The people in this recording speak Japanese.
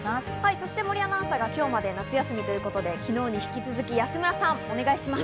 そして、森アナウンサーが今日まで夏休みということで、昨日によろしくお願いします。